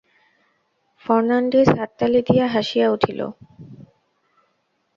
Fernandez হাততালি দিয়া হাসিয়া উঠিল।